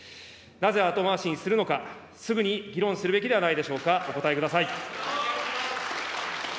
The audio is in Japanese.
なぜ後回しにするのか、すぐに議論するべきではないでしょうか、お答えください。